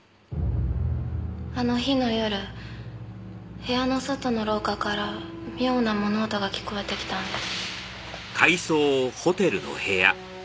あの日の夜部屋の外の廊下から妙な物音が聞こえてきたんです。